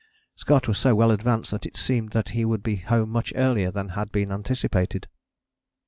Scott was so well advanced that it seemed that he would be home much earlier than had been anticipated.